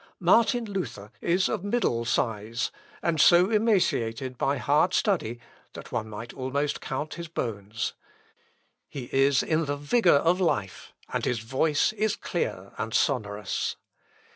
"Martin Luther is of middle size; and so emaciated by hard study that one might almost count his bones. He is in the vigour of life, and his voice is clear and sonorous.